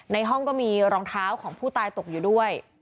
ในห้องก็มีรองเท้าของผู้ตายตกอยู่ด้วย